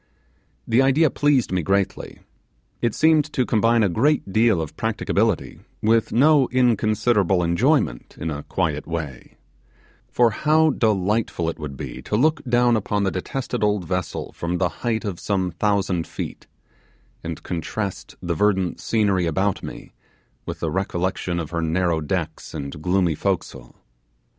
The idea pleased me greatly. It seemed to combine a great deal of practicability with no inconsiderable enjoyment in a quiet way; for how delightful it would be to look down upon the detested old vessel from the height of some thousand feet, and contrast the verdant scenery about me with the recollection of her narrow decks and gloomy forecastle!